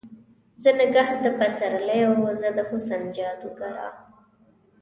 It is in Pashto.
زه نګهت د پسر لیو، زه د حسن جادوګره